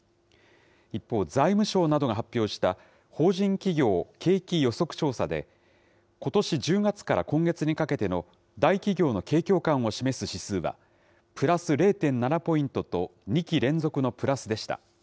一方、財務省などが発表した、法人企業景気予測調査で、ことし１０月から今月にかけての大企業の景況感を示す指数は、プラス０．７ポイントと、２期連続のプラスでした。